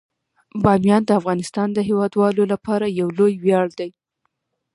بامیان د افغانستان د هیوادوالو لپاره یو لوی ویاړ دی.